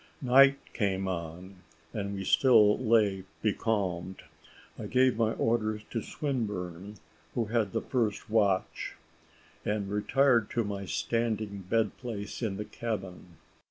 Night came on, and we still lay becalmed. I gave my orders to Swinburne, who had the first watch, and retired to my standing bed place in the cabin.